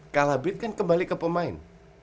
kalah bid kan kembali ke pemain